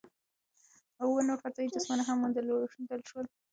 اووه نور فضايي جسمونه هم وموندل شول.